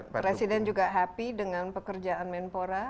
presiden juga happy dengan pekerjaan menpora